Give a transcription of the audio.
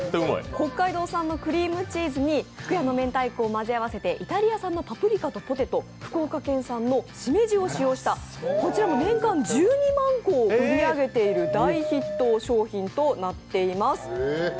北海道産のクリームチーズにふくやの明太子を混ぜ合わせてイタリア産のパプリカとポテト、福岡県産のしめじを使用した、こちらも年間１２万個売り上げている大ヒット商品となっています。